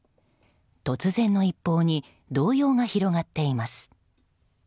突然の一報に動揺が広がっています。